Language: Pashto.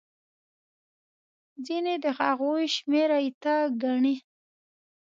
ځینې د هغوی شمېر ایته ګڼي.